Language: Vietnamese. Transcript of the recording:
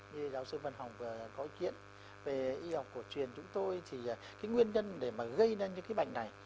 như giáo sư văn hồng có ý kiến về y học của truyền chúng tôi thì cái nguyên nhân để mà gây ra những cái bệnh này